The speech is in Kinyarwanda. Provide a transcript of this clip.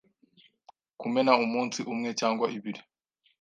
kumena umunsi umwe cyangwa ibiri.